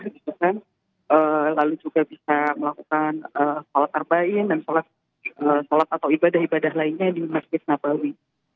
lalu juga bisa melakukan sholat tarbain dan sholat atau ibadah ibadah lainnya di masjid nabawi